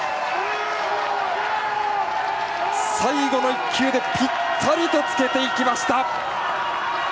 最後の１球でぴったりとつけていきました！